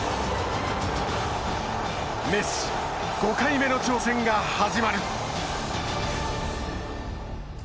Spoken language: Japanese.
メッシ、５回目の挑戦が始まる。